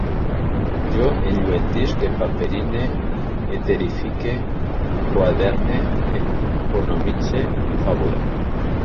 Jo enlluentisc, empaperine, eterifique, enquaderne, economitze, fabule